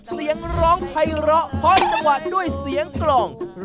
เสียงร้องไพระฮอดจังหวะด้วยเสียงกล่อง